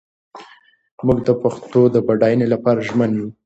موږ د پښتو د بډاینې لپاره ژمن یو.